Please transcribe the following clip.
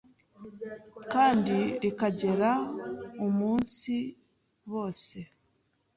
kandi rikagera umunsiri bose.